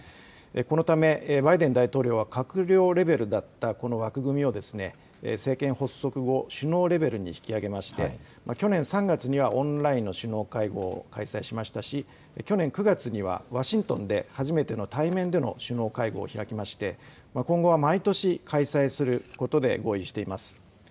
このため、バイデン大統領は閣僚レベルだったこの枠組みをですね、政権発足後、首脳レベルに引き上げまして、去年３月にはオンラインの首脳会合を開催しましたし、去年９月には、ワシントンで初めての対面での首脳会合を開きまして、今後は毎年開催することで合意しています。